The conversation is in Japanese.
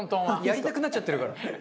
やりたくなっちゃってるから。